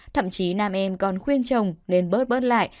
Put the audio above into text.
thậm chí nam em còn khuyên chồng nên bớt lại